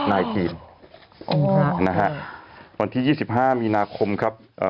วันที่๒๕มีนาคมครับ